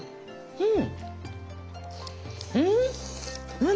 うん。